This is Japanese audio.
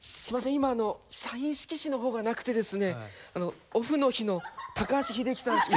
今サイン色紙の方がなくてですねオフの日の高橋英樹さんしか。